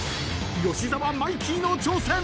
［吉沢マイキーの挑戦］